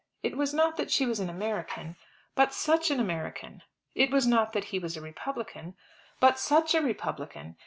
It was not that she was an American, but such an American! It was not that he was a Republican, but such a Republican!